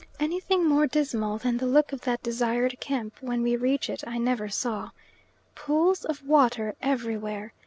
Anything more dismal than the look of that desired camp when we reach it, I never saw. Pools of water everywhere.